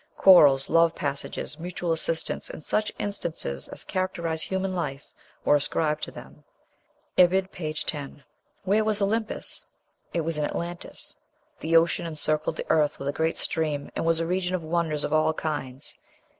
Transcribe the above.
Quarrels, love passages, mutual assistance, and such instances as characterize human life, were ascribed to them." (Ibid., p. 10.) Where was Olympus? It was in Atlantis. "The ocean encircled the earth with a great stream, and was a region of wonders of all kinds."